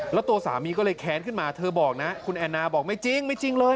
แล้วตัวสามีก็เลยแค้นขึ้นมาเธอบอกนะคุณแอนนาบอกไม่จริงไม่จริงเลย